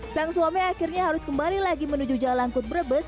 sang suami akhirnya harus kembali lagi menuju jalangkut brebes